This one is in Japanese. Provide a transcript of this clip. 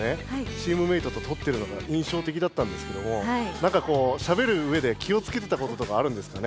チームメートととってるのがいんしょうてきだったんですけども何かしゃべる上で気をつけてたこととかあるんですかね？